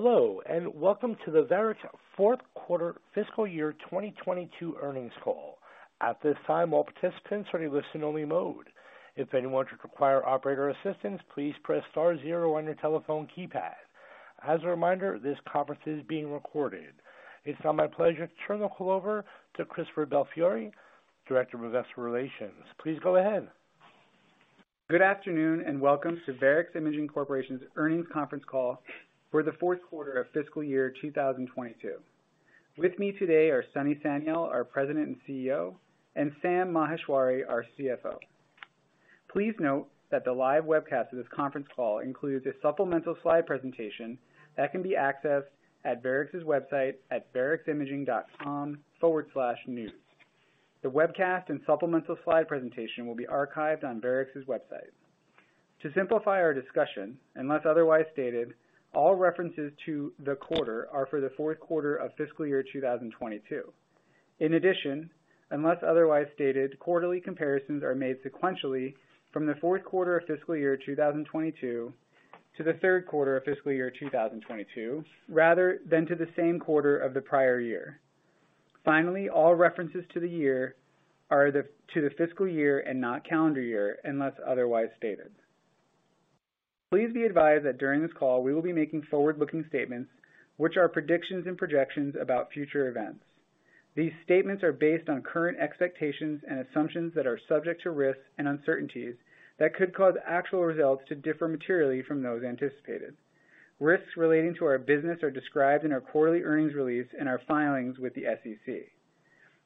Hello, and welcome to the Varex Fourth Quarter fiscal year 2022 earnings call. At this time, all participants are in listen only mode. If anyone should require operator assistance, please press star zero on your telephone keypad. As a reminder, this conference is being recorded. It's now my pleasure to turn the call over to Christopher Belfiore, Director of Investor Relations. Please go ahead. Good afternoon, and welcome to Varex Imaging Corporation's earnings conference call for the Fourth Quarter of fiscal year 2022. With me today are Sunny Sanyal, our President and CEO, and Sam Maheshwari, our CFO. Please note that the live webcast of this conference call includes a supplemental slide presentation that can be accessed at Varex's website at vareximaging.com/news. The webcast and supplemental slide presentation will be archived on Varex's website. To simplify our discussion, unless otherwise stated, all references to the quarter are for the Fourth Quarter of fiscal year 2022. In addition, unless otherwise stated, quarterly comparisons are made sequentially from the Fourth Quarter of fiscal year 2022 to the Third Quarter of fiscal year 2022, rather than to the same quarter of the prior year. Finally, all references to the year are to the fiscal year and not calendar year, unless otherwise stated. Please be advised that during this call we will be making forward-looking statements, which are predictions and projections about future events. These statements are based on current expectations and assumptions that are subject to risks and uncertainties that could cause actual results to differ materially from those anticipated. Risks relating to our business are described in our quarterly earnings release and our filings with the SEC.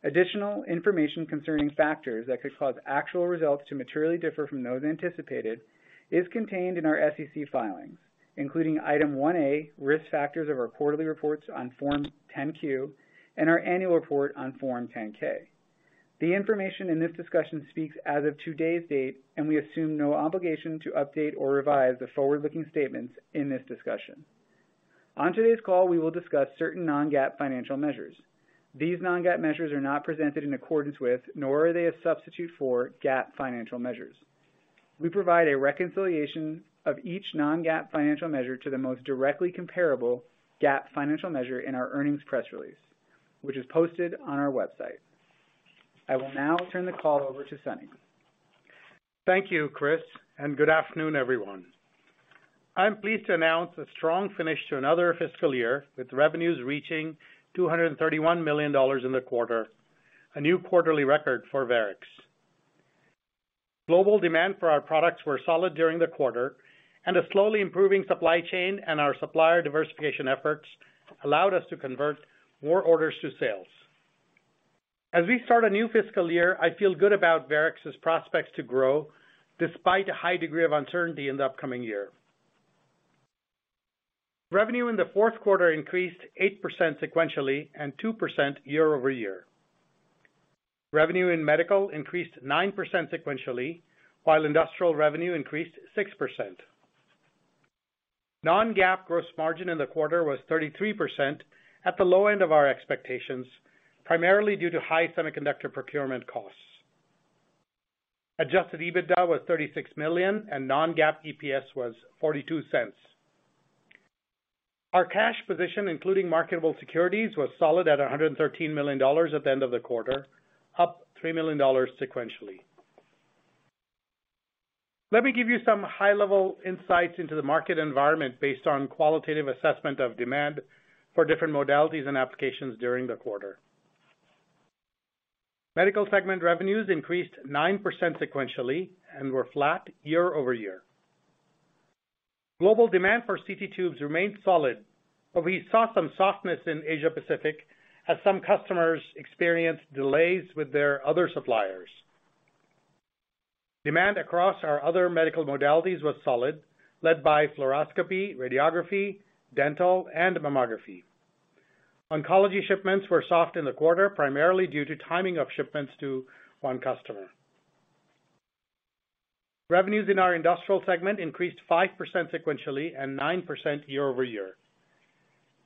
Additional information concerning factors that could cause actual results to materially differ from those anticipated is contained in our SEC filings, including Item 1A, Risk Factors of our quarterly reports on Form 10-Q and our annual report on Form 10-K. The information in this discussion speaks as of today's date, and we assume no obligation to update or revise the forward-looking statements in this discussion. On today's call, we will discuss certain non-GAAP financial measures. These non-GAAP measures are not presented in accordance with, nor are they a substitute for GAAP financial measures. We provide a reconciliation of each non-GAAP financial measure to the most directly comparable GAAP financial measure in our earnings press release, which is posted on our website. I will now turn the call over to Sunny. Thank you, Chris, and good afternoon, everyone. I'm pleased to announce a strong finish to another fiscal year, with revenues reaching $231 million in the quarter, a new quarterly record for Varex. Global demand for our products were solid during the quarter, and a slowly improving supply chain and our supplier diversification efforts allowed us to convert more orders to sales. As we start a new fiscal year, I feel good about Varex's prospects to grow despite a high degree of uncertainty in the upcoming year. Revenue in the Fourth Quarter increased 8% sequentially and 2% year-over-year. Revenue in medical increased 9% sequentially, while industrial revenue increased 6%. Non-GAAP gross margin in the quarter was 33% at the low end of our expectations, primarily due to high semiconductor procurement costs. Adjusted EBITDA was $36 million and non-GAAP EPS was $0.42. Our cash position, including marketable securities, was solid at $113 million at the end of the quarter, up $3 million sequentially. Let me give you some high-level insights into the market environment based on qualitative assessment of demand for different modalities and applications during the quarter. Medical segment revenues increased 9% sequentially and were flat year-over-year. Global demand for CT tubes remained solid, but we saw some softness in Asia-Pacific as some customers experienced delays with their other suppliers. Demand across our other medical modalities was solid, led by fluoroscopy, radiography, dental, and mammography. Oncology shipments were soft in the quarter, primarily due to timing of shipments to one customer. Revenues in our industrial segment increased 5% sequentially and 9% year-over-year.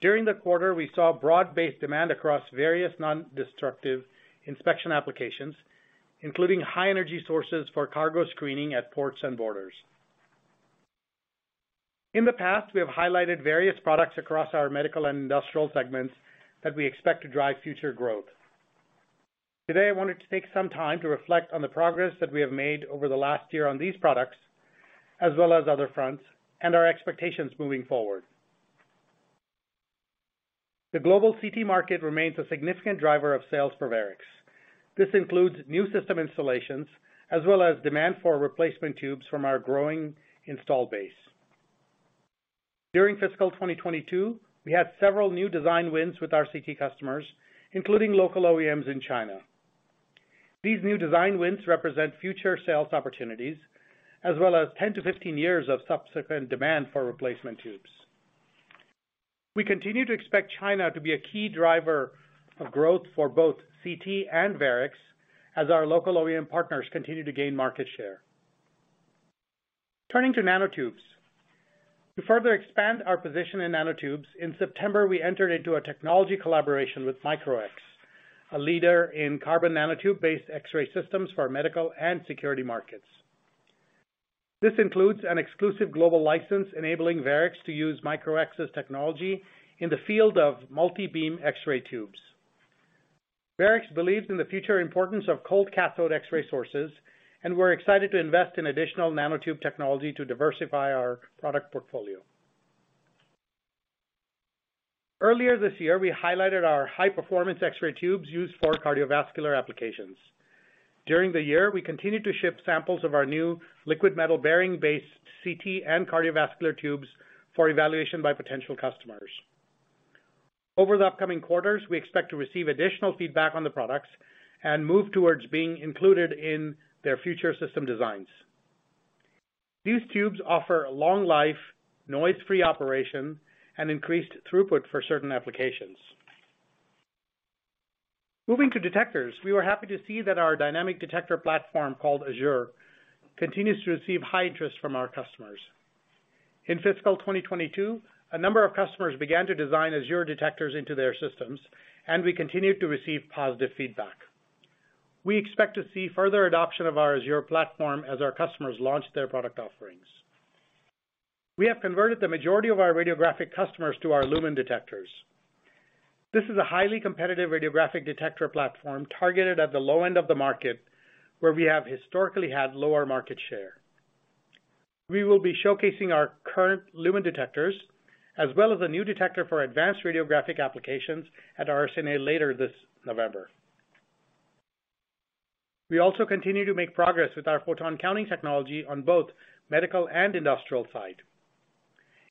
During the quarter, we saw broad-based demand across various non-destructive inspection applications, including high energy sources for cargo screening at ports and borders. In the past, we have highlighted various products across our medical and industrial segments that we expect to drive future growth. Today, I wanted to take some time to reflect on the progress that we have made over the last year on these products, as well as other fronts, and our expectations moving forward. The global CT market remains a significant driver of sales for Varex. This includes new system installations as well as demand for replacement tubes from our growing installed base. During fiscal 2022, we had several new design wins with our CT customers, including local OEMs in China. These new design wins represent future sales opportunities as well as 10-15 years of subsequent demand for replacement tubes. We continue to expect China to be a key driver of growth for both CT and Varex as our local OEM partners continue to gain market share. Turning to nanotubes. To further expand our position in nanotubes, in September, we entered into a technology collaboration with Micro-X, a leader in carbon nanotube-based X-ray systems for medical and security markets. This includes an exclusive global license enabling Varex to use Micro-X's technology in the field of multi-beam X-ray tubes. Varex believes in the future importance of cold cathode X-ray sources, and we're excited to invest in additional nanotube technology to diversify our product portfolio. Earlier this year, we highlighted our high-performance X-ray tubes used for cardiovascular applications. During the year, we continued to ship samples of our new liquid metal bearing-based CT and cardiovascular tubes for evaluation by potential customers. Over the upcoming quarters, we expect to receive additional feedback on the products and move towards being included in their future system designs. These tubes offer long life, noise-free operation, and increased throughput for certain applications. Moving to detectors, we were happy to see that our dynamic detector platform called Azure continues to receive high interest from our customers. In fiscal 2022, a number of customers began to design Azure detectors into their systems, and we continued to receive positive feedback. We expect to see further adoption of our Azure platform as our customers launch their product offerings. We have converted the majority of our radiographic customers to our Lumen detectors. This is a highly competitive radiographic detector platform targeted at the low end of the market, where we have historically had lower market share. We will be showcasing our current Lumen detectors as well as a new detector for advanced radiographic applications at RSNA later this November. We also continue to make progress with our photon counting technology on both medical and industrial side.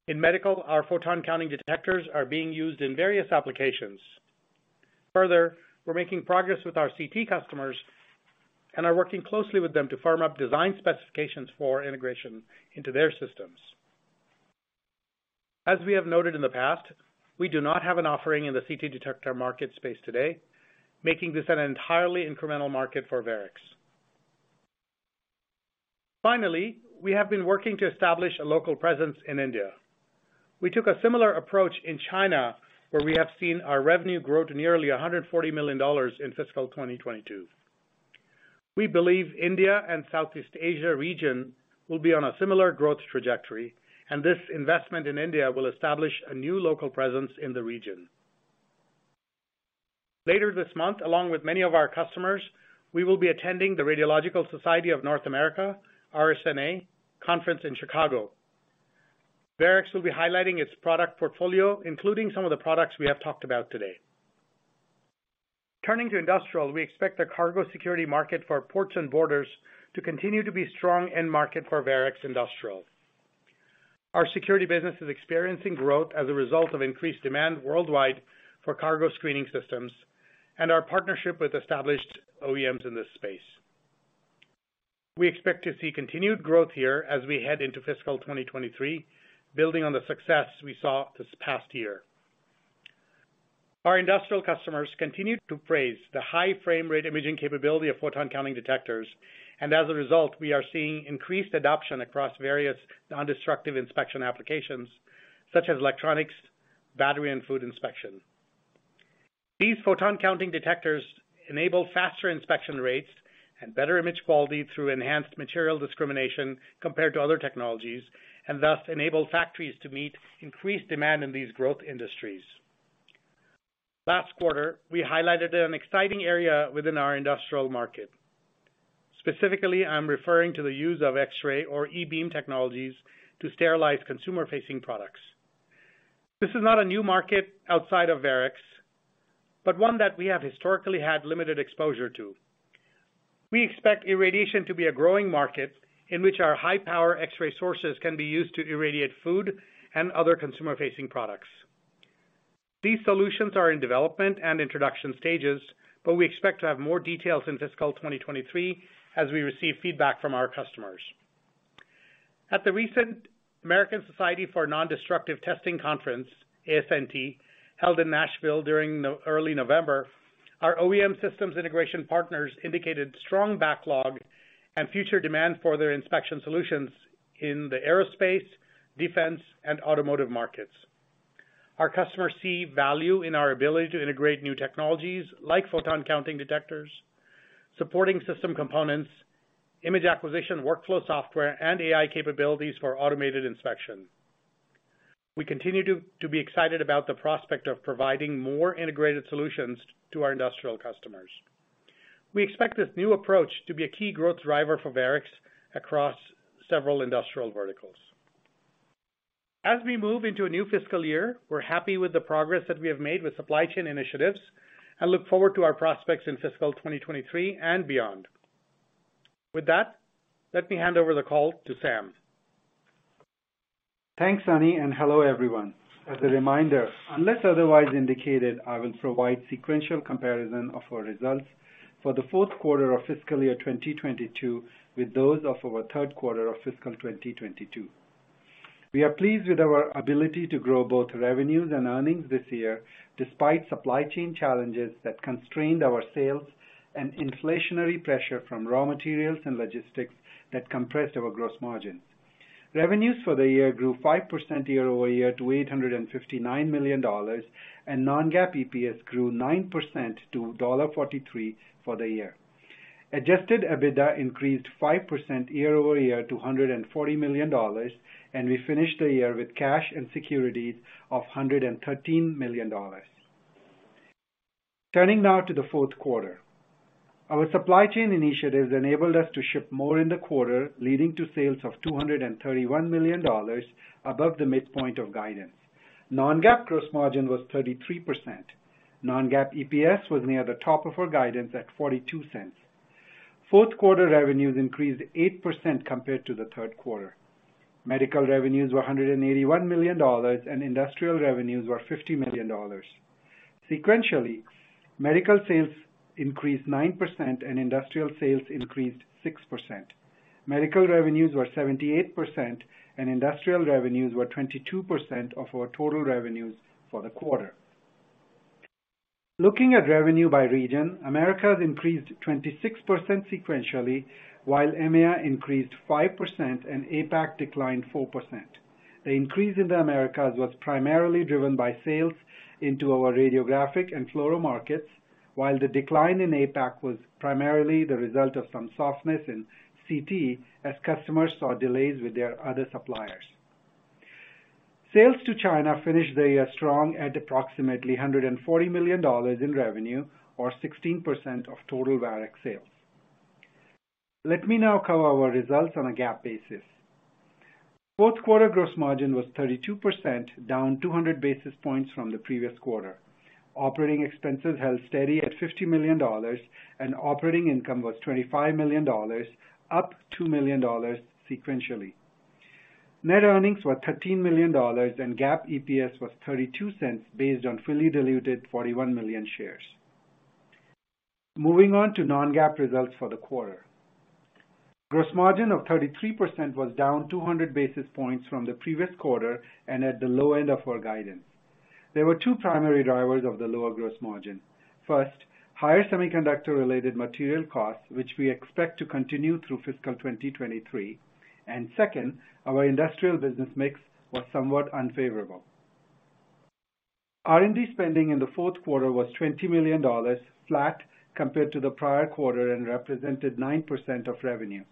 In medical, our photon counting detectors are being used in various applications. Further, we're making progress with our CT customers, and are working closely with them to firm up design specifications for integration into their systems. As we have noted in the past, we do not have an offering in the CT detector market space today, making this an entirely incremental market for Varex. Finally, we have been working to establish a local presence in India. We took a similar approach in China, where we have seen our revenue grow to nearly $140 million in fiscal 2022. We believe India and Southeast Asia region will be on a similar growth trajectory, and this investment in India will establish a new local presence in the region. Later this month, along with many of our customers, we will be attending the Radiological Society of North America, RSNA conference in Chicago. Varex will be highlighting its product portfolio, including some of the products we have talked about today. Turning to industrial, we expect the cargo security market for ports and borders to continue to be strong end market for Varex Industrial. Our security business is experiencing growth as a result of increased demand worldwide for cargo screening systems and our partnership with established OEMs in this space. We expect to see continued growth here as we head into fiscal 2023, building on the success we saw this past year. Our industrial customers continued to praise the high frame rate imaging capability of photon counting detectors, and as a result, we are seeing increased adoption across various non-destructive inspection applications such as electronics, battery, and food inspection. These photon counting detectors enable faster inspection rates and better image quality through enhanced material discrimination compared to other technologies, and thus enable factories to meet increased demand in these growth industries. Last quarter, we highlighted an exciting area within our industrial market. Specifically, I'm referring to the use of X-ray or e-beam technologies to sterilize consumer-facing products. This is not a new market outside of Varex, but one that we have historically had limited exposure to. We expect irradiation to be a growing market in which our high-power X-ray sources can be used to irradiate food and other consumer-facing products. These solutions are in development and introduction stages, but we expect to have more details in fiscal 2023 as we receive feedback from our customers. At the recent American Society for Nondestructive Testing conference, ASNT, held in Nashville during early November, our OEM systems integration partners indicated strong backlog and future demand for their inspection solutions in the aerospace, defense, and automotive markets. Our customers see value in our ability to integrate new technologies like photon counting detectors, supporting system components, image acquisition, workflow software, and AI capabilities for automated inspection. We continue to be excited about the prospect of providing more integrated solutions to our industrial customers. We expect this new approach to be a key growth driver for Varex across several industrial verticals. As we move into a new fiscal year, we're happy with the progress that we have made with supply chain initiatives and look forward to our prospects in fiscal 2023 and beyond. With that, let me hand over the call to Sam. Thanks, Sunny, and hello, everyone. As a reminder, unless otherwise indicated, I will provide sequential comparison of our results for the Fourth Quarter of fiscal year 2022, with those of our Third Quarter of fiscal 2022. We are pleased with our ability to grow both revenues and earnings this year despite supply chain challenges that constrained our sales and inflationary pressure from raw materials and logistics that compressed our gross margins. Revenues for the year grew 5% year-over-year to $859 million, and non-GAAP EPS grew 9% to $0.43 for the year. Adjusted EBITDA increased 5% year-over-year to $140 million, and we finished the year with cash and securities of $113 million. Turning now to the Fourth Quarter. Our supply chain initiatives enabled us to ship more in the quarter, leading to sales of $231 million above the midpoint of guidance. Non-GAAP gross margin was 33%. Non-GAAP EPS was near the top of our guidance at $0.42. Fourth Quarter revenues increased 8% compared to the Third Quarter. Medical revenues were $181 million, and industrial revenues were $50 million. Sequentially, medical sales increased 9%, and industrial sales increased 6%. Medical revenues were 78%, and industrial revenues were 22% of our total revenues for the quarter. Looking at revenue by region, Americas increased 26% sequentially, while EMEA increased 5% and APAC declined 4%. The increase in the Americas was primarily driven by sales into our radiographic and fluoro markets, while the decline in APAC was primarily the result of some softness in CT as customers saw delays with their other suppliers. Sales to China finished the year strong at approximately $140 million in revenue, or 16% of total Varex sales. Let me now cover our results on a GAAP basis. Fourth Quarter gross margin was 32%, down 200 basis points from the previous quarter. Operating expenses held steady at $50 million, and operating income was $25 million, up $2 million sequentially. Net earnings were $13 million, and GAAP EPS was $0.32 based on fully diluted 41 million shares. Moving on to non-GAAP results for the quarter. Gross margin of 33% was down 200 basis points from the previous quarter and at the low end of our guidance. There were two primary drivers of the lower gross margin. First, higher semiconductor-related material costs, which we expect to continue through fiscal 2023. Second, our industrial business mix was somewhat unfavorable. R&D spending in the Fourth Quarter was $20 million, flat compared to the prior quarter, and represented 9% of revenue.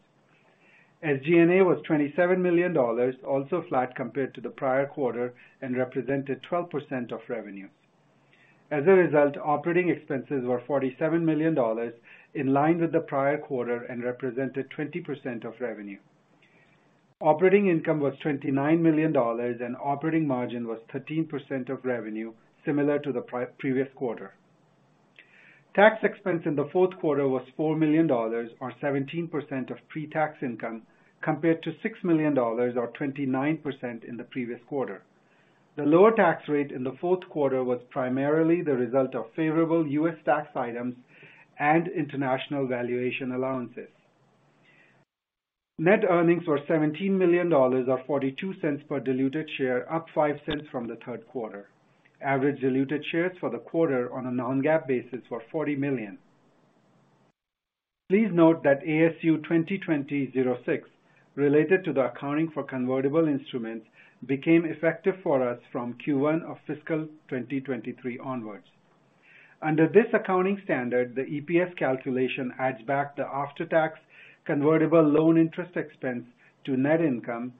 SG&A was $27 million, also flat compared to the prior quarter, and represented 12% of revenue. As a result, operating expenses were $47 million, in line with the prior quarter and represented 20% of revenue. Operating income was $29 million, and operating margin was 13% of revenue, similar to the previous quarter. Tax expense in the Fourth Quarter was $4 million or 17% of pre-tax income, compared to $6 million or 29% in the previous quarter. The lower tax rate in the Fourth Quarter was primarily the result of favorable U.S. tax items and international valuation allowances. Net earnings were $17 million or $0.42 per diluted share, up $0.05 from the Third Quarter. Average diluted shares for the quarter on a non-GAAP basis were 40 million. Please note that ASU 2020-06, related to the accounting for convertible instruments, became effective for us from Q1 of fiscal 2023 onwards. Under this accounting standard, the EPS calculation adds back the after-tax convertible loan interest expense to net income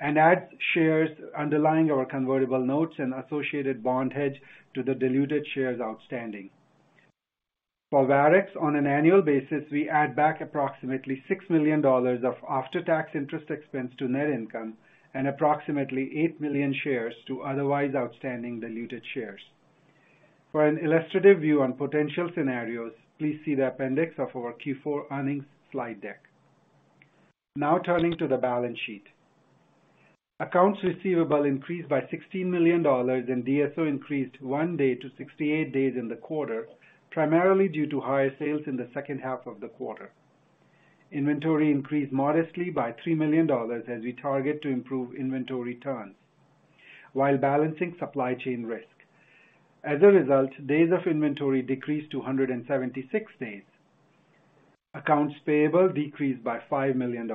and adds shares underlying our convertible notes and associated bond hedge to the diluted shares outstanding. For Varex, on an annual basis, we add back approximately $6 million of after-tax interest expense to net income and approximately 8 million shares to otherwise outstanding diluted shares. For an illustrative view on potential scenarios, please see the appendix of our Q4 earnings slide deck. Now turning to the balance sheet. Accounts receivable increased by $16 million, and DSO increased 1 day to 68 days in the quarter, primarily due to higher sales in the second half of the quarter. Inventory increased modestly by $3 million as we target to improve inventory turns while balancing supply chain risk. As a result, days of inventory decreased to 176 days. Accounts payable decreased by $5 million.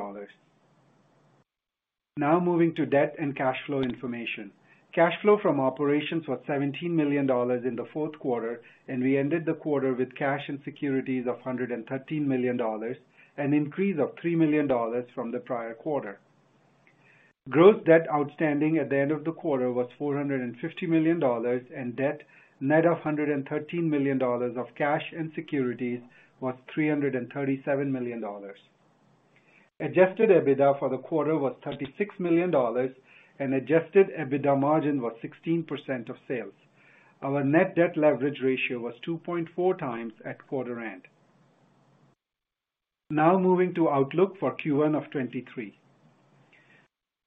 Now moving to debt and cash flow information. Cash flow from operations was $17 million in the Fourth Quarter, and we ended the quarter with cash and securities of $113 million, an increase of $3 million from the prior quarter. Gross debt outstanding at the end of the quarter was $450 million, and debt net of $113 million of cash and securities was $337 million. Adjusted EBITDA for the quarter was $36 million, and adjusted EBITDA margin was 16% of sales. Our net debt leverage ratio was 2.4 times at quarter end. Now moving to outlook for Q1 of 2023.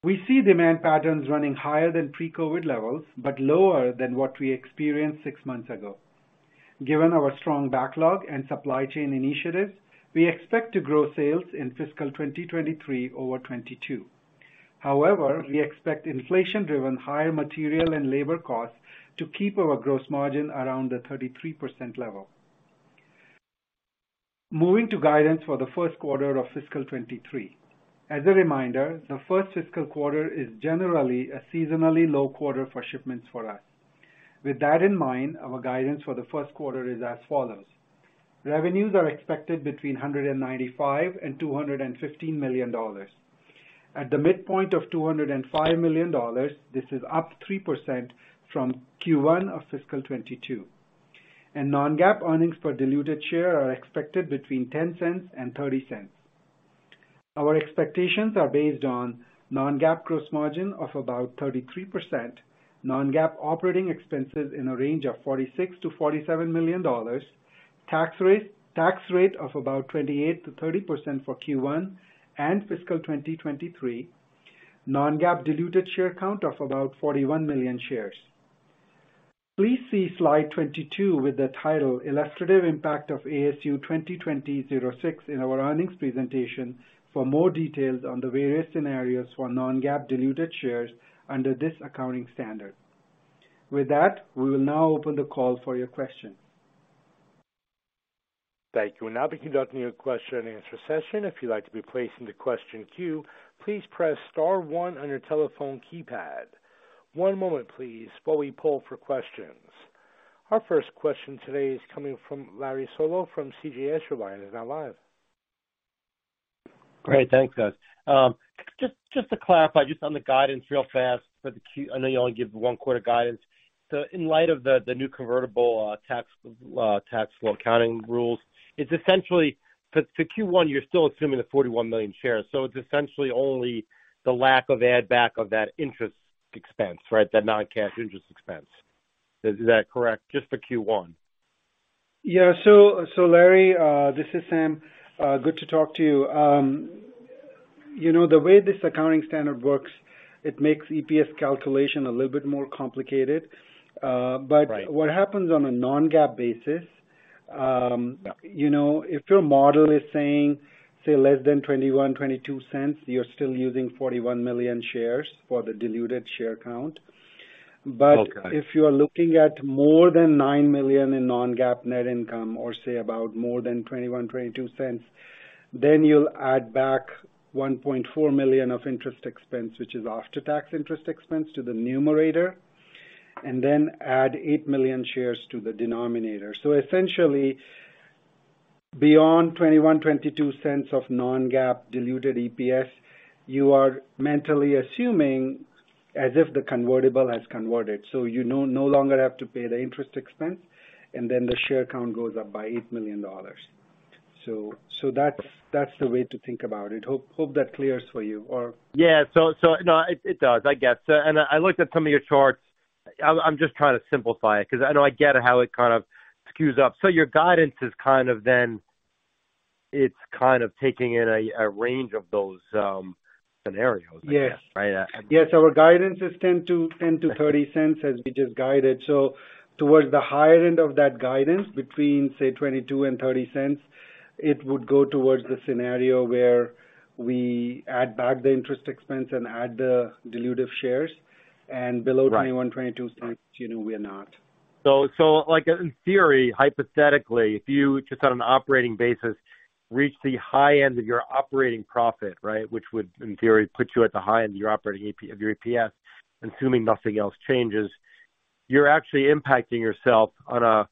We see demand patterns running higher than pre-COVID levels but lower than what we experienced six months ago. Given our strong backlog and supply chain initiatives, we expect to grow sales in fiscal 2023 over 2022. However, we expect inflation-driven higher material and labor costs to keep our gross margin around the 33% level. Moving to guidance for the First Quarter of fiscal 2023. As a reminder, the first fiscal quarter is generally a seasonally low quarter for shipments for us. With that in mind, our guidance for the First Quarter is as follows. Revenues are expected between $195 million and $215 million. At the midpoint of $205 million, this is up 3% from Q1 of fiscal 2022. Non-GAAP earnings per diluted share are expected between $0.10 and $0.30. Our expectations are based on non-GAAP gross margin of about 33%, non-GAAP operating expenses in a range of $46 million-$47 million, tax rate of about 28%-30% for Q1 and fiscal 2023. Non-GAAP diluted share count of about 41 million shares. Please see slide 22 with the title Illustrative Impact of ASU 2020-06 in our earnings presentation for more details on the various scenarios for non-GAAP diluted shares under this accounting standard. With that, we will now open the call for your questions. Thank you. We'll now be conducting your question and answer session. If you'd like to be placed into question queue, please press star one on your telephone keypad. One moment please, while we poll for questions. Our first question today is coming from Larry Solow from CJS Securities. Your line is now live. Great. Thanks, guys. Just to clarify, just on the guidance real fast for the Q, I know you only give the one quarter guidance. In light of the new convertible tax law accounting rules, it's essentially for Q1, you're still assuming the 41 million shares, so it's essentially only the lack of add back of that interest expense, right? That non-cash interest expense. Is that correct? Just for Q1. Larry, this is Sam. Good to talk to you. You know, the way this accounting standard works, it makes EPS calculation a little bit more complicated. Right. What happens on a non-GAAP basis. You know, if your model is saying, say, less than $0.21-$0.22, you're still using 41 million shares for the diluted share count. Okay. If you are looking at more than $9 million in non-GAAP net income or say about more than $0.21-$0.22, then you'll add back $1.4 million of interest expense, which is after-tax interest expense to the numerator, and then add 8 million shares to the denominator. Essentially, beyond $0.21-$0.22 of non-GAAP diluted EPS, you are mentally assuming as if the convertible has converted. You no longer have to pay the interest expense, and then the share count goes up by eight million dollars. That's the way to think about it. Hope that clears for you or Yeah. No, it does. I get. I looked at some of your charts. I'm just trying to simplify it 'cause I know I get how it kind of skews up. Your guidance is kind of then. It's kind of taking in a range of those scenarios, I guess. Yes. Right. Yes, our guidance is $0.10-$0.30 as we just guided. Towards the higher end of that guidance between, say, $0.22 and $0.30, it would go towards the scenario where we add back the interest expense and add the dilutive shares. Right. $0.21-$0.22, you know we're not. Like in theory, hypothetically, if you just on an operating basis reach the high end of your operating profit, right? Which would in theory put you at the high end of your operating EPS, assuming nothing else changes, you're actually impacting yourself on a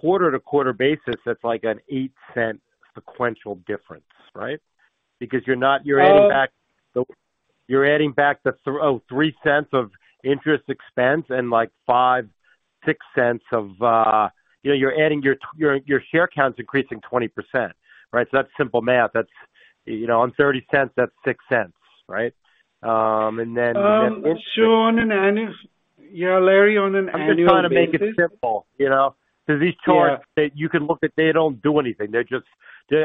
quarter-to-quarter basis, that's like an $0.08 sequential difference, right? Because you're not. You're adding back the $0.03 of interest expense and like $0.05, $0.06 of, you know, you're adding your share counts increasing 20%, right? So that's simple math. That's, you know, on $0.30, that's $0.06, right? And then. Yeah, Larry, on an annual basis. I'm just trying to make it simple, you know? Yeah. 'Cause these charts that you can look at, they don't do anything. They're just,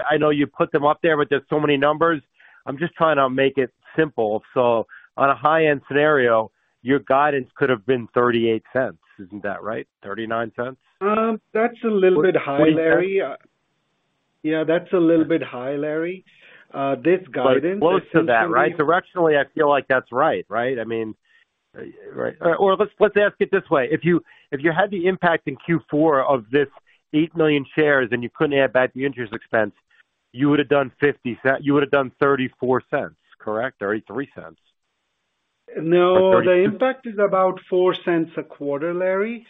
I know you put them up there, but there's so many numbers. I'm just trying to make it simple. On a high-end scenario, your guidance could have been $0.38. Isn't that right? $0.39? That's a little bit high, Larry. $0.40. Yeah, that's a little bit high, Larry. This guidance is. Close to that, right? Directionally, I feel like that's right? I mean. Right. Let's ask it this way. If you had the impact in Q4 of this 8 million shares, and you couldn't add back the interest expense, you would have done $0.34. Correct? $0.33. No. 32. The impact is about $0.04 a quarter, Larry,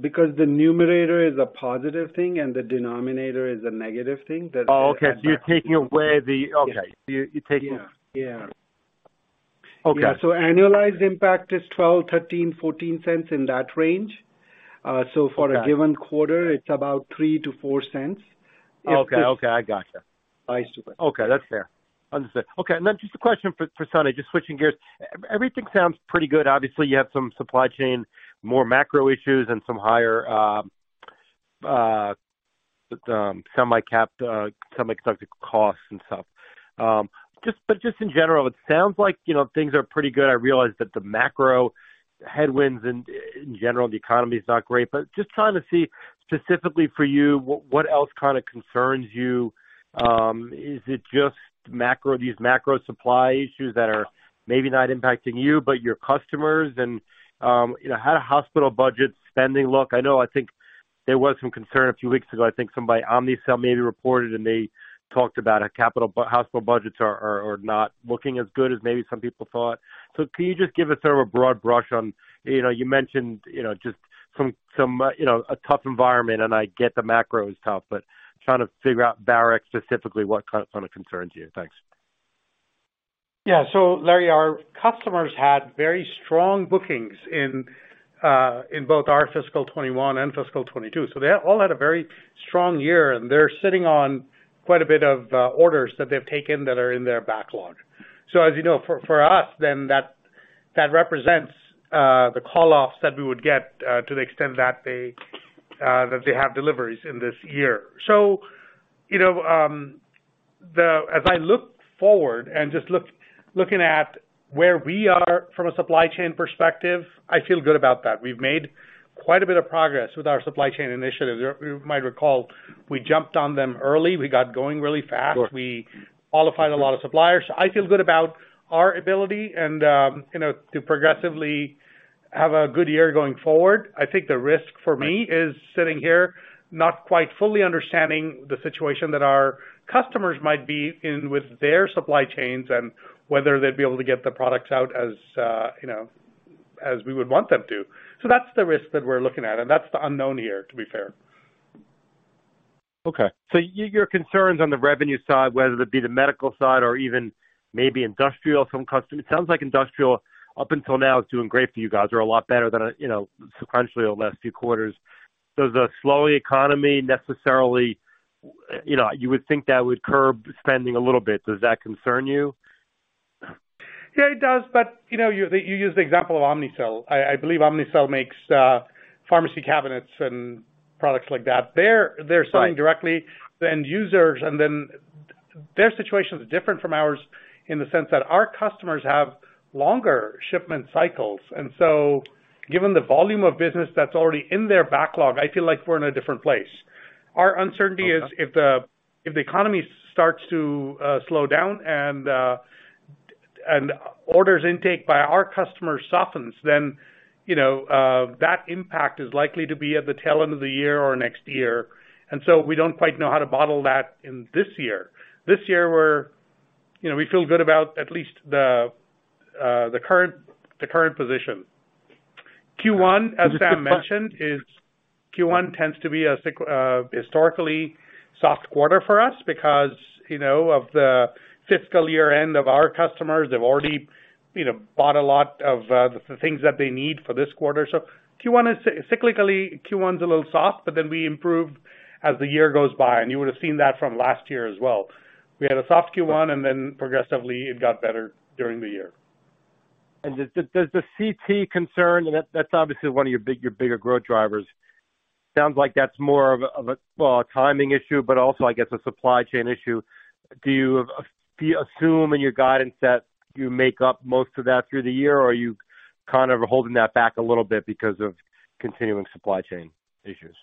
because the numerator is a positive thing and the denominator is a negative thing. Oh, okay. Okay. Yeah. You're taking. Yeah. Yeah. Okay. Annualized impact is $0.12-$0.14 in that range. Okay. For a given quarter, it's about $0.03-$0.04. Okay. I gotcha. I suppose. Okay. That's fair. Understood. Okay, just a question for Sunny, switching gears. Everything sounds pretty good. Obviously, you have some supply chain, more macro issues and some higher SG&A, some executive costs and stuff. But in general, it sounds like, you know, things are pretty good. I realize that the macro headwinds in general, the economy is not great. Just trying to see specifically for you, what else kind of concerns you? Is it just macro, these macro supply issues that are maybe not impacting you, but your customers and, you know, how do hospital budgets spending look? I know, I think there was some concern a few weeks ago. I think somebody, Omnicell maybe, reported, and they talked about a capital budget. Hospital budgets are not looking as good as maybe some people thought. Can you just give us sort of a broad brush on, you know, you mentioned, you know, just some, you know, a tough environment, and I get the macro is tough, but trying to figure out Varex specifically, what kind of concerns you. Thanks. Yeah. Larry, our customers had very strong bookings in both our fiscal 2021 and fiscal 2022. They all had a very strong year, and they're sitting on quite a bit of orders that they've taken that are in their backlog. As you know, for us then, that represents the call-offs that we would get to the extent that they have deliveries in this year. You know, as I look forward and just looking at where we are from a supply chain perspective, I feel good about that. We've made quite a bit of progress with our supply chain initiatives. You might recall, we jumped on them early. We got going really fast. Sure. We qualified a lot of suppliers. I feel good about our ability and, you know, to progressively have a good year going forward. I think the risk for me is sitting here not quite fully understanding the situation that our customers might be in with their supply chains and whether they'd be able to get the products out as, you know, as we would want them to. That's the risk that we're looking at, and that's the unknown here, to be fair. Okay. Your concerns on the revenue side, whether it be the medical side or even maybe industrial from custom. It sounds like industrial, up until now, is doing great for you guys or a lot better than, you know, sequentially over the last few quarters. Does a slowing economy necessarily, you know, you would think that would curb spending a little bit. Does that concern you? Yeah, it does. You know, you used the example of Omnicell. I believe Omnicell makes pharmacy cabinets and products like that. Right. They're selling directly to end users, and then their situation is different from ours in the sense that our customers have longer shipment cycles. Given the volume of business that's already in their backlog, I feel like we're in a different place. Our uncertainty is if the economy starts to slow down and order intake by our customers softens, then, you know, that impact is likely to be at the tail end of the year or next year. We don't quite know how to model that in this year. This year, you know, we feel good about at least the current position. Q1, as Sam mentioned, Q1 tends to be a historically soft quarter for us because, you know, of the fiscal year-end of our customers. They've already, you know, bought a lot of the things that they need for this quarter. Q1 is cyclically a little soft, but then we improve as the year goes by, and you would have seen that from last year as well. We had a soft Q1, and then progressively, it got better during the year. Does the CT concern, and that's obviously one of your bigger growth drivers, sounds like that's more of a well, a timing issue, but also, I guess, a supply chain issue? Do you assume in your guidance that you make up most of that through the year, or are you kind of holding that back a little bit because of continuing supply chain issues?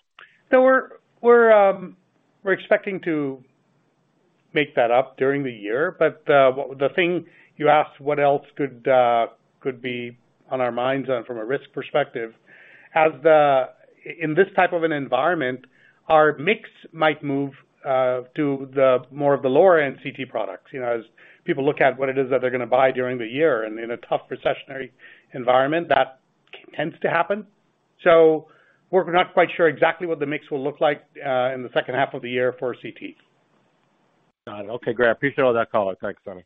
We're expecting to make that up during the year. The thing you asked, what else could be on our minds and from a risk perspective, in this type of an environment, our mix might move to the more of the lower-end CT products, you know, as people look at what it is that they're gonna buy during the year. In a tough recessionary environment, that tends to happen. We're not quite sure exactly what the mix will look like in the second half of the year for CT. Got it. Oka`y, great. I appreciate all that color. Thanks, Sunny.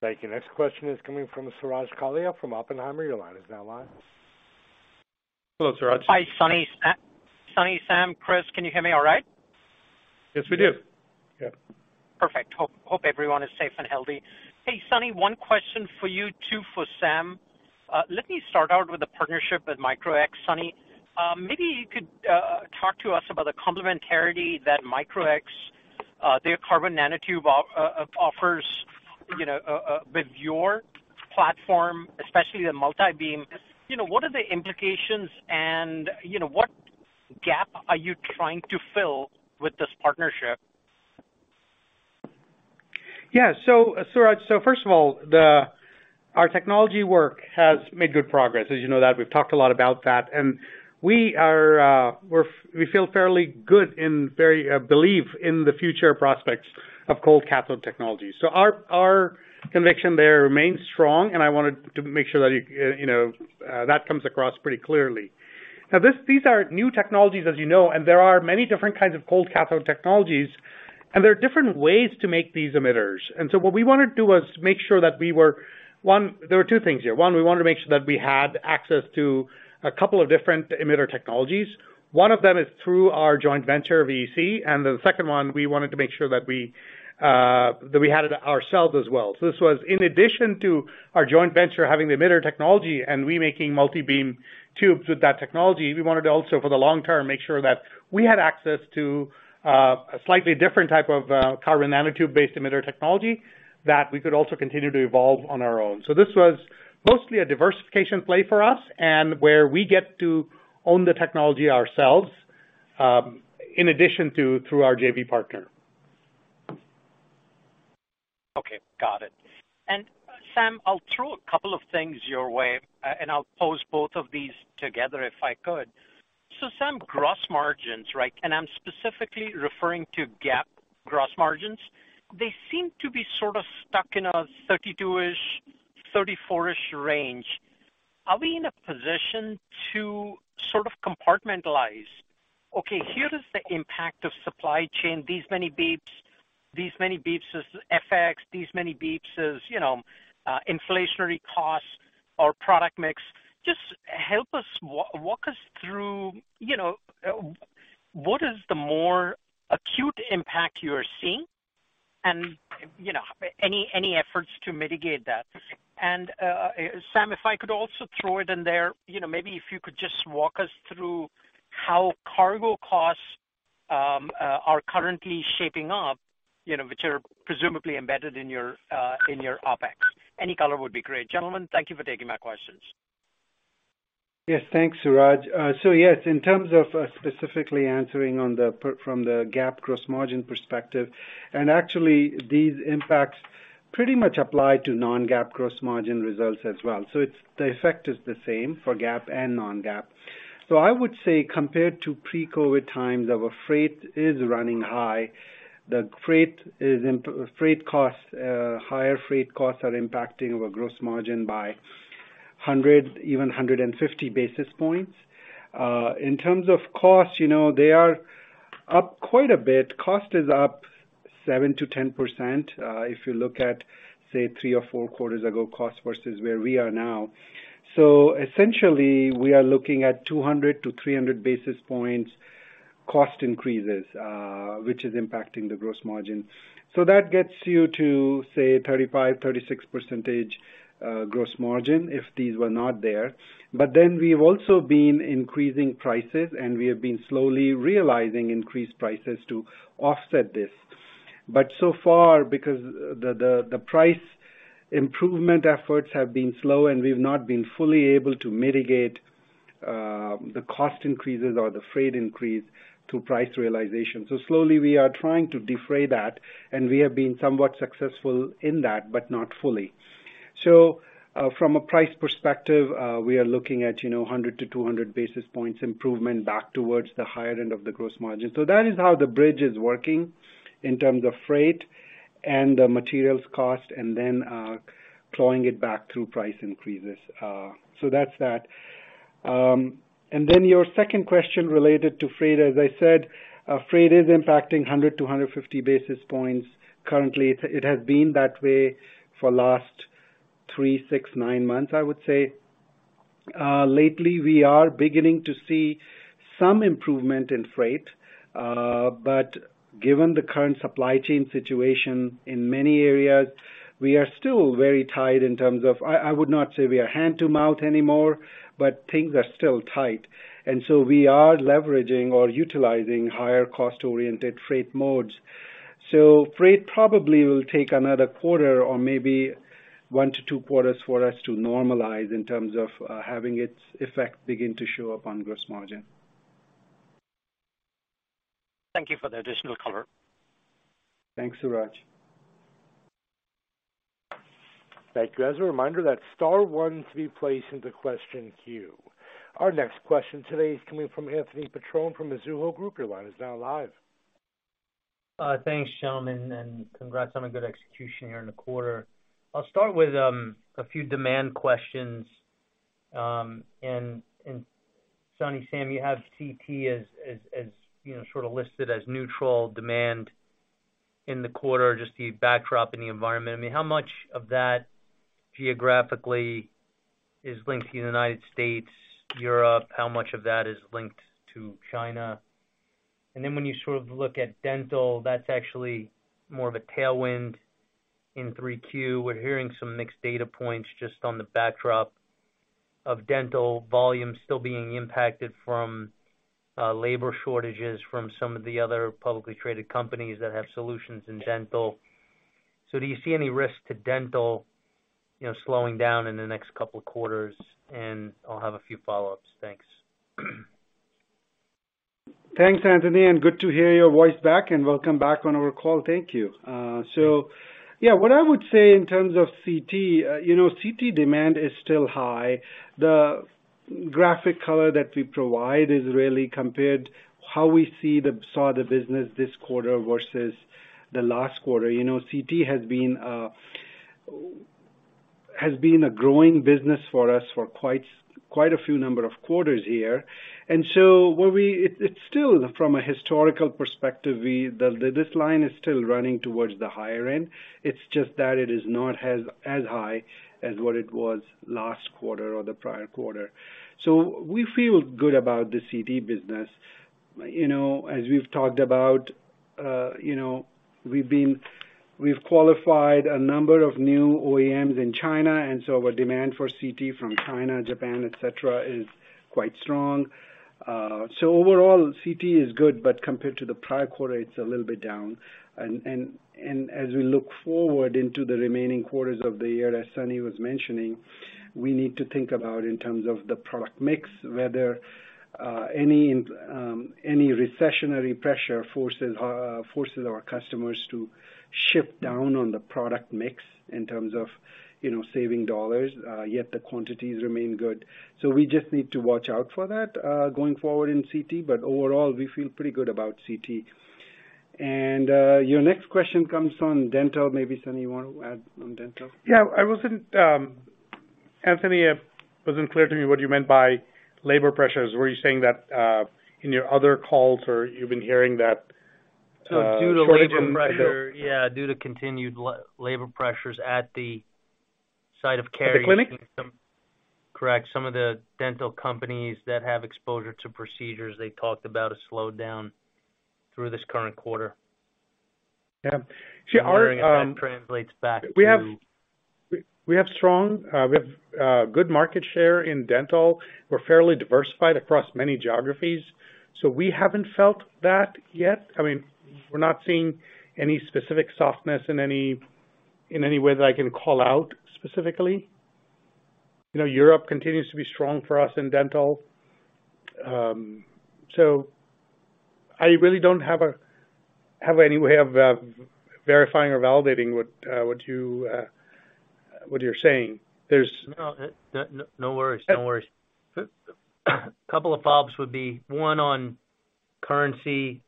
Thank you. Next question is coming from Suraj Kalia from Oppenheimer. Your line is now live. Hello, Suraj. Hi, Sunny, Sam, Chris, can you hear me all right? Yes, we do. Yeah. Perfect. Hope everyone is safe and healthy. Hey, Sunny, one question for you, two for Sam. Let me start out with the partnership with Micro-X, Sunny. Maybe you could talk to us about the complementarity that Micro-X their carbon nanotube offers, you know, with your platform, especially the multi-beam. You know, what are the implications and, you know, what gap are you trying to fill with this partnership? Yeah. Suraj, first of all, our technology work has made good progress. As you know that, we've talked a lot about that. We feel fairly good and very believe in the future prospects of cold cathode technology. Our conviction there remains strong, and I wanted to make sure that you know that comes across pretty clearly. Now, these are new technologies, as you know, and there are many different kinds of cold cathode technologies, and there are different ways to make these emitters. What we wanna do was make sure that we were. There were two things here. One, we wanted to make sure that we had access to a couple of different emitter technologies. One of them is through our joint venture, VEC, and the second one, we wanted to make sure that we, that we had it ourselves as well. This was in addition to our joint venture having the emitter technology and we making multi-beam tubes with that technology, we wanted to also, for the long term, make sure that we had access to, a slightly different type of, carbon nanotube-based emitter technology that we could also continue to evolve on our own. This was mostly a diversification play for us and where we get to own the technology ourselves, in addition to, through our JV partner. Okay. Got it. Sam, I'll throw a couple of things your way, and I'll pose both of these together if I could. Sam, gross margins, right? I'm specifically referring to GAAP gross margins. They seem to be sort of stuck in a 32%-ish, 34%-ish range. Are we in a position to sort of compartmentalize, okay, here is the impact of supply chain, these many basis points, these many basis points is FX, these many basis points is, you know, inflationary costs or product mix. Just help us walk us through, you know, what is the more acute impact you are seeing and, you know, any efforts to mitigate that. Sam, if I could also throw it in there, you know, maybe if you could just walk us through how cargo costs are currently shaping up, you know, which are presumably embedded in your OpEx. Any color would be great. Gentlemen, thank you for taking my questions. Yes, thanks, Suraj. Yes, in terms of, specifically answering from the GAAP gross margin perspective, and actually these impacts pretty much apply to non-GAAP gross margin results as well. It's the effect is the same for GAAP and non-GAAP. I would say compared to pre-COVID times, our freight is running high. Higher freight costs are impacting our gross margin by 100, even 150 basis points. In terms of cost, you know, they are up quite a bit. Cost is up 7%-10%, if you look at, say, three or four quarters ago cost versus where we are now. Essentially we are looking at 200-300 basis points cost increases, which is impacting the gross margin. That gets you to, say, 35%-36% gross margin if these were not there. We've also been increasing prices, and we have been slowly realizing increased prices to offset this. So far, because the price improvement efforts have been slow and we've not been fully able to mitigate the cost increases or the freight increase to price realization. Slowly we are trying to defray that, and we have been somewhat successful in that, but not fully. From a price perspective, we are looking at, you know, 100-200 basis points improvement back towards the higher end of the gross margin. That is how the bridge is working in terms of freight and the materials cost and then clawing it back through price increases. That's that. Your second question related to freight, as I said, freight is impacting 100-150 basis points currently. It has been that way for last 3, 6, 9 months, I would say. Lately we are beginning to see some improvement in freight, but given the current supply chain situation in many areas, we are still very tight in terms of. I would not say we are hand-to-mouth anymore, but things are still tight. We are leveraging or utilizing higher cost-oriented freight modes. Freight probably will take another quarter or maybe 1-2 quarters for us to normalize in terms of, having its effect begin to show up on gross margin. Thank you for the additional color. Thanks, Suraj. Thank you. As a reminder, that's star one to be placed into question queue. Our next question today is coming from Anthony Petrone from Mizuho Securities. Your line is now live. Thanks, gentlemen, and congrats on a good execution here in the quarter. I'll start with a few demand questions. Sunny, Sam, you have CT as you know, sort of listed as neutral demand in the quarter, just the backdrop in the environment. I mean, how much of that geographically is linked to the United States, Europe? How much of that is linked to China? And then when you sort of look at dental, that's actually more of a tailwind in 3Q. We're hearing some mixed data points just on the backdrop of dental volume still being impacted from labor shortages from some of the other publicly traded companies that have solutions in dental. So do you see any risk to dental, you know, slowing down in the next couple of quarters? I'll have a few follow-ups. Thanks. Thanks, Anthony, and good to hear your voice back, and welcome back on our call. Thank you. So yeah, what I would say in terms of CT, you know, CT demand is still high. The graphic color that we provide is really compared how we saw the business this quarter versus the last quarter. You know, CT has been a growing business for us for quite a few number of quarters here. It's still from a historical perspective, this line is still running towards the higher end. It's just that it is not as high as what it was last quarter or the prior quarter. We feel good about the CT business. You know, as we've talked about, you know, we've qualified a number of new OEMs in China, and so our demand for CT from China, Japan, et cetera, is quite strong. Overall, CT is good, but compared to the prior quarter it's a little bit down. We look forward into the remaining quarters of the year, as Sunny was mentioning, we need to think about in terms of the product mix, whether any recessionary pressure forces our customers to shift down on the product mix in terms of, you know, saving dollars, yet the quantities remain good. We just need to watch out for that, going forward in CT, but overall, we feel pretty good about CT. Your next question comes from dental. Maybe, Sunny, you want to add on dental? Yeah. I wasn't, Anthony, it wasn't clear to me what you meant by labor pressures. Were you saying that in your other calls or you've been hearing that- Due to labor pressure. Shortage in labor. Yeah, due to continued labor pressures at the site of carriers. At the clinic? Correct. Some of the dental companies that have exposure to procedures, they talked about a slowdown through this current quarter. Yeah. See, our I'm wondering if that translates back to? We have good market share in dental. We're fairly diversified across many geographies. We haven't felt that yet. I mean, we're not seeing any specific softness in any way that I can call out specifically. You know, Europe continues to be strong for us in dental. I really don't have any way of verifying or validating what you're saying. No, no worries. No worries. A couple of follow-ups would be one on currency.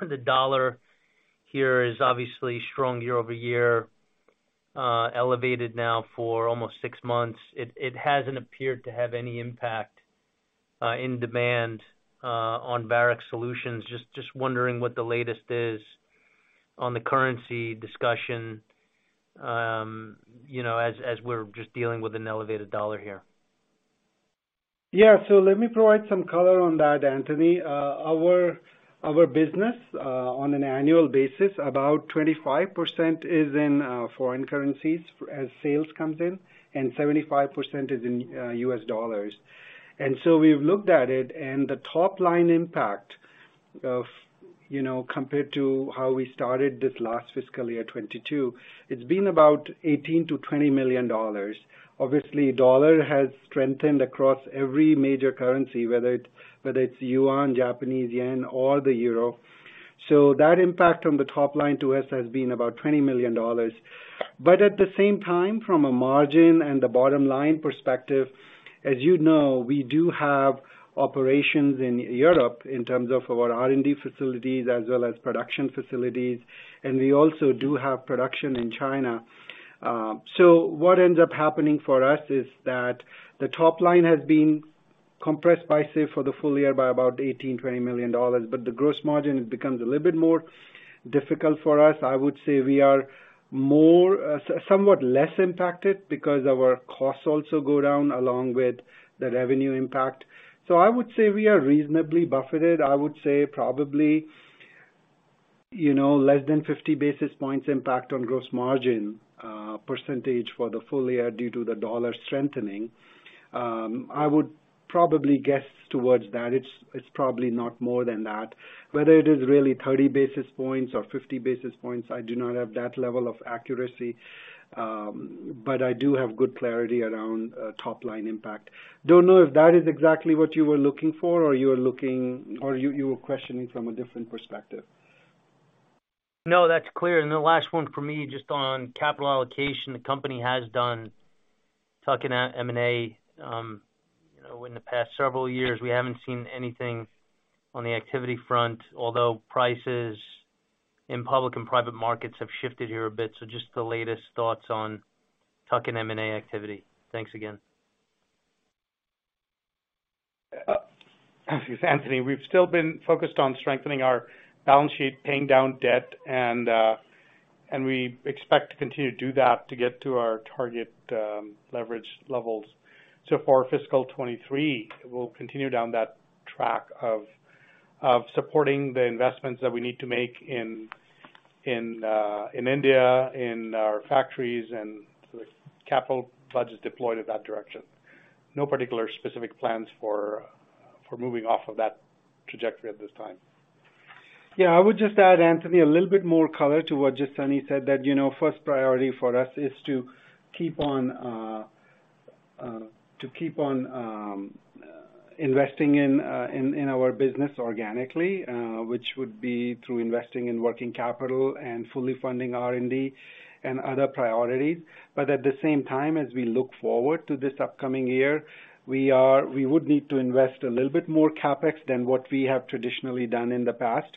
The U.S. dollar here is obviously strong year-over-year, elevated now for almost six months. It hasn't appeared to have any impact in demand on Varex Solutions. Just wondering what the latest is on the currency discussion, you know, as we're just dealing with an elevated U.S. dollar here. Yeah. Let me provide some color on that, Anthony. Our business on an annual basis, about 25% is in foreign currencies as sales comes in, and 75% is in U.S. dollars. We've looked at it, and the top line impact of, you know, compared to how we started this last fiscal year, 2022, it's been about $18 million-$20 million. Obviously, dollar has strengthened across every major currency, whether it's yuan, Japanese yen or the euro. That impact on the top line to us has been about $20 million. At the same time, from a margin and a bottom line perspective, as you know, we do have operations in Europe in terms of our R&D facilities as well as production facilities, and we also do have production in China. What ends up happening for us is that the top line has been compressed by, say, for the full year by about $18-$20 million, but the gross margin becomes a little bit more difficult for us. I would say we are more somewhat less impacted because our costs also go down along with the revenue impact. I would say we are reasonably buffeted. I would say probably, you know, less than 50 basis points impact on gross margin percentage for the full year due to the dollar strengthening. I would probably guess towards that. It's probably not more than that. Whether it is really 30 basis points or 50 basis points, I do not have that level of accuracy, but I do have good clarity around top line impact. Don't know if that is exactly what you were looking for or you were questioning from a different perspective. No, that's clear. The last one for me, just on capital allocation. The company has done tuck-in M&A, you know, in the past several years. We haven't seen anything on the activity front, although prices in public and private markets have shifted here a bit. Just the latest thoughts on tuck-in M&A activity. Thanks again. Anthony, we've still been focused on strengthening our balance sheet, paying down debt and we expect to continue to do that to get to our target leverage levels. For fiscal 2023, we'll continue down that track of supporting the investments that we need to make in India, in our factories and the capital budget deployed in that direction. No particular specific plans for moving off of that trajectory at this time. Yeah, I would just add, Anthony, a little bit more color to what Sunny just said, that, you know, first priority for us is to keep on investing in our business organically, which would be through investing in working capital and fully funding R&D and other priorities. At the same time, as we look forward to this upcoming year, we would need to invest a little bit more CapEx than what we have traditionally done in the past.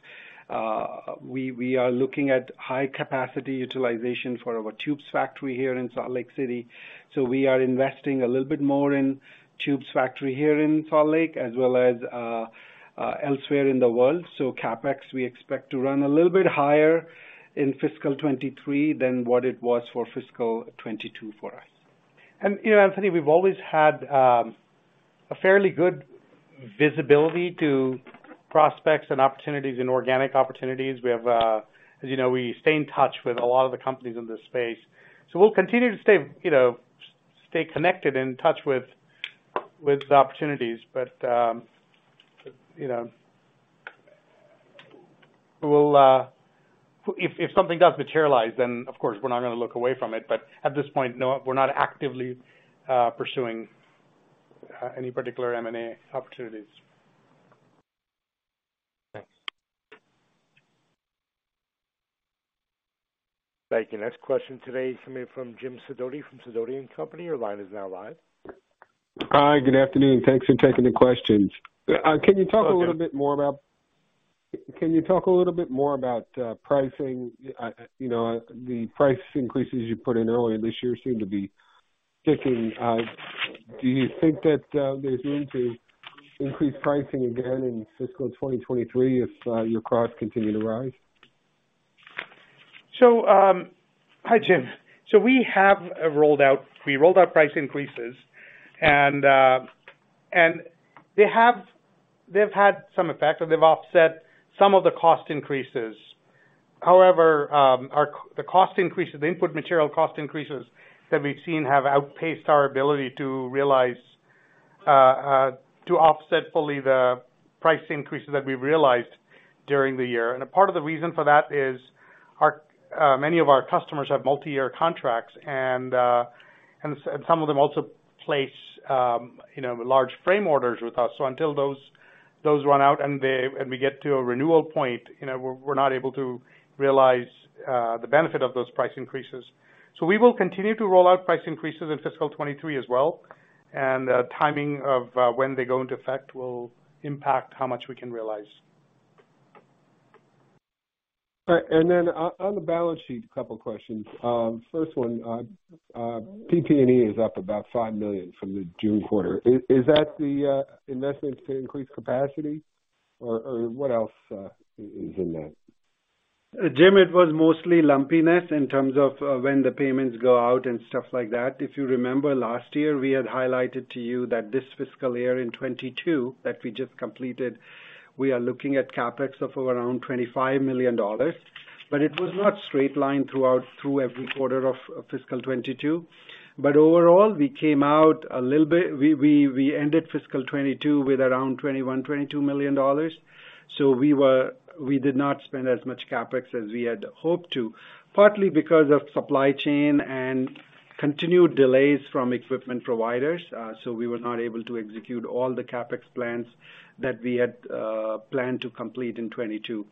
We are looking at high capacity utilization for our tubes factory here in Salt Lake City. We are investing a little bit more in tubes factory here in Salt Lake, as well as elsewhere in the world. CapEx, we expect to run a little bit higher in fiscal 2023 than what it was for fiscal 2022 for us. You know, Anthony, we've always had a fairly good visibility to prospects and opportunities in organic opportunities. We have, as you know, we stay in touch with a lot of the companies in this space. We'll continue to stay, you know, stay connected and in touch with the opportunities. You know, we'll if something does materialize, then of course, we're not gonna look away from it. At this point, no, we're not actively pursuing any particular M&A opportunities. Thanks. Thank you. Next question today is coming from Jim Sidoti, from Sidoti & Company. Your line is now live. Hi. Good afternoon. Thanks for taking the questions. Can you talk a little bit more about pricing? You know, the price increases you put in earlier this year seem to be sticking. Do you think that there's room to increase pricing again in fiscal 2023 if your costs continue to rise? Hi, Jim. We rolled out price increases and they've had some effect, and they've offset some of the cost increases. However, the cost increases, the input material cost increases that we've seen have outpaced our ability to realize to offset fully the price increases that we've realized during the year. A part of the reason for that is many of our customers have multi-year contracts and some of them also place, you know, large frame orders with us. Until those run out and they and we get to a renewal point, you know, we're not able to realize the benefit of those price increases. We will continue to roll out price increases in fiscal 2023 as well, and the timing of when they go into effect will impact how much we can realize. All right. On the balance sheet, a couple questions. First one, PP&E is up about $5 million from the June quarter. Is that the investments to increase capacity or what else is in that? Jim, it was mostly lumpiness in terms of when the payments go out and stuff like that. If you remember last year, we had highlighted to you that this fiscal year in 2022, that we just completed, we are looking at CapEx of around $25 million. It was not straight line throughout through every quarter of fiscal 2022. Overall, we came out a little bit. We ended fiscal 2022 with around $21-$22 million. We did not spend as much CapEx as we had hoped to, partly because of supply chain and continued delays from equipment providers. We were not able to execute all the CapEx plans that we had planned to complete in 2022.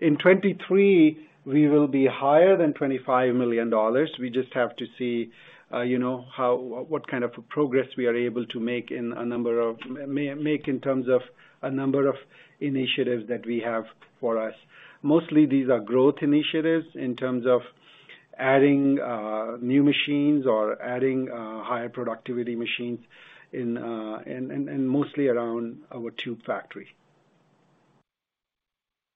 In 2023, we will be higher than $25 million. We just have to see, you know, how what kind of progress we are able to make in terms of a number of initiatives that we have for us. Mostly these are growth initiatives in terms of adding new machines or adding higher productivity machines in and mostly around our tube factory.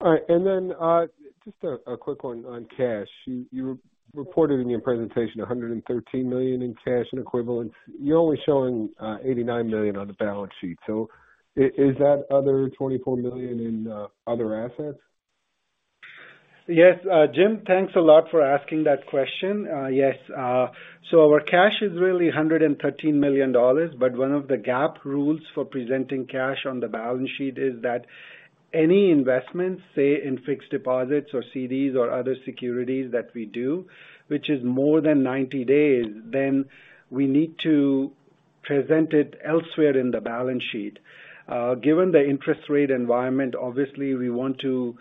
All right. Just a quick one on cash. You reported in your presentation $113 million in cash and equivalents. You're only showing $89 million on the balance sheet. Is that other $24 million in other assets? Yes. Jim, thanks a lot for asking that question. Yes. Our cash is really $113 million, but one of the GAAP rules for presenting cash on the balance sheet is that any investments, say, in fixed deposits or CDs or other securities that we do, which is more than 90 days, then we need to present it elsewhere in the balance sheet. Given the interest rate environment, obviously we want to,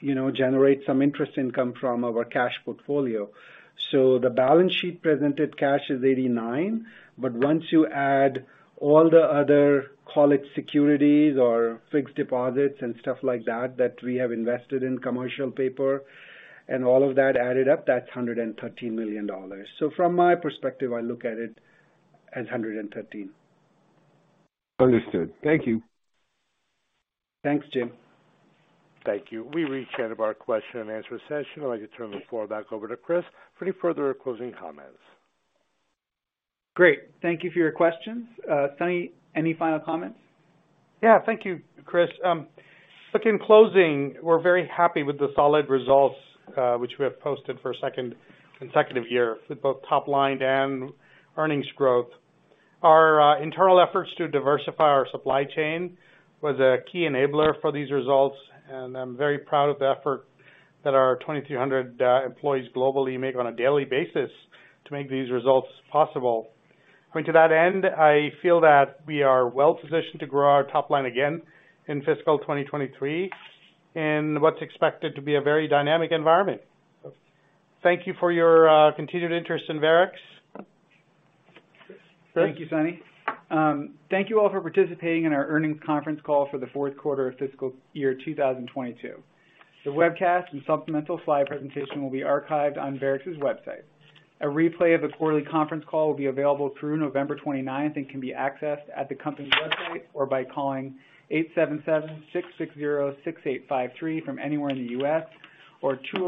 you know, generate some interest income from our cash portfolio. The balance sheet presented cash is $89 million, but once you add all the other, call it securities or fixed deposits and stuff like that we have invested in commercial paper and all of that added up, that's $113 million. From my perspective, I look at it as $113 million. Understood. Thank you. Thanks, Jim. Thank you. We've reached the end of our question and answer session. I'd like to turn the floor back over to Chris for any further closing comments. Great. Thank you for your questions. Sunny, any final comments? Yeah. Thank you, Chris. Look, in closing, we're very happy with the solid results, which we have posted for a second consecutive year with both top line and earnings growth. Our internal efforts to diversify our supply chain was a key enabler for these results, and I'm very proud of the effort that our 2,300 employees globally make on a daily basis to make these results possible. I mean, to that end, I feel that we are well-positioned to grow our top line again in fiscal 2023, in what's expected to be a very dynamic environment. Thank you for your continued interest in Varex. Thank you, Sunny. Thank you all for participating in our earnings conference call for the Fourth Quarter of fiscal year 2022. The webcast and supplemental slide presentation will be archived on Varex's website. A replay of the quarterly conference call will be available through November 29th and can be accessed at the company's website, or by calling 877-660-6853 from anywhere in the U.S. or 201